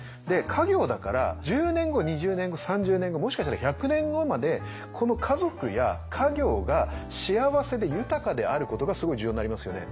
家業だから１０年後２０年後３０年後もしかしたら１００年後までこの家族や家業が幸せで豊かであることがすごい重要になりますよね。